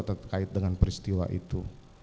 terkait dengan peristiwa itu